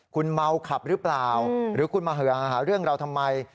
คุณเมาขับหรือเปล่าหรือคุณมาหาเรื่องเราทำไม